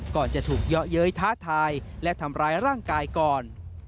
ก่อนจะถูกเยาะเย้ยท้าทายและทำร้ายร่างกายก่อน